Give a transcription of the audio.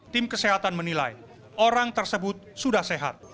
tim kesehatan menilai orang tersebut sudah sehat